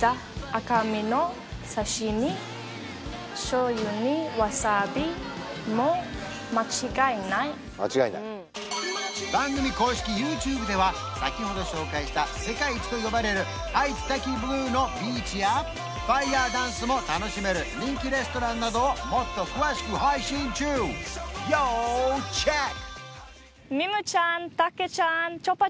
うん番組公式ＹｏｕＴｕｂｅでは先ほど紹介した世界一と呼ばれるアイツタキブルーのビーチやファイヤーダンスも楽しめる人気レストランなどをもっと詳しく配信中要チェック！